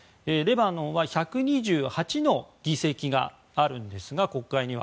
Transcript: レバノンには１２８の議席があるんですが国会には。